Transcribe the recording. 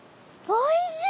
おいしい！